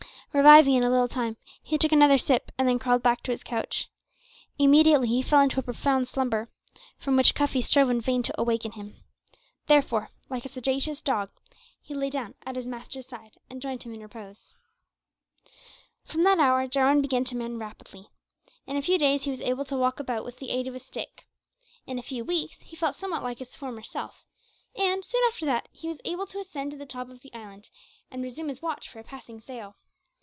Reviving in a little time, he took another sip, and then crawled back to his couch. Immediately he fell into a profound slumber, from which Cuffy strove in vain to awaken him; therefore, like a sagacious dog, he lay down at his master's side and joined him in repose. From that hour Jarwin began to mend rapidly. In a few days he was able to walk about with the aid of a stick. In a few weeks he felt somewhat like his former self, and soon after that, he was able to ascend to the top of the island, and resume his watch for a passing sail.